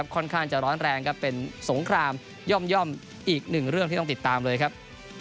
ค่อนข้างจะร้อนแรงครับเป็นสงครามย่อมอีกหนึ่งเรื่องที่ต้องติดตามเลยครับ